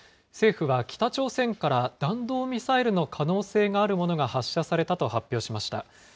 政府は北朝鮮から弾道ミサイルの可能性があるものが発射されたと発表しました。